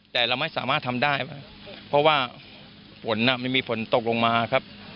แต่เราไม่สามารถทำได้เพราะว่าฝนมันมีฝนตกลงมาครับ